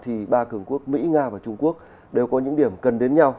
thì ba cường quốc mỹ nga và trung quốc đều có những điểm cần đến nhau